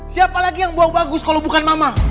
siapa lagi yang bawa bagus kalau bukan mama